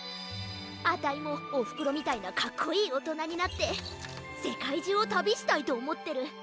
あたいもおふくろみたいなかっこいいおとなになってせかいじゅうをたびしたいとおもってる。